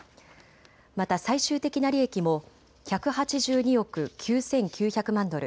また最終的な利益も１８２億９９００万ドル